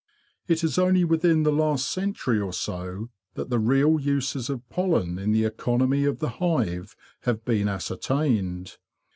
It is only within the last century or so that the real uses of pollen in the economy of the hive have been ascertained.